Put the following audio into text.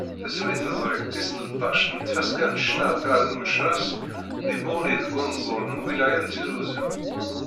Tessuli teẓrigt tis tleṭṭac n tfaska n ccna atrar n Umecras di Buɣni deg unẓul n lwilaya n Tizi Uzzu.